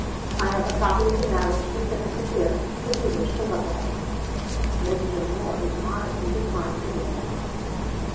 I have a copy of the marriage certificate here if you wish to look at it." Mr. Moy's modesty declined to look at it.